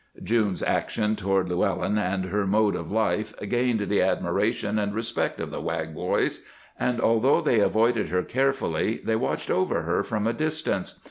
June's action toward Llewellyn, and her mode of life, gained the admiration and respect of the Wag boys, and although they avoided her carefully, they watched over her from a distance.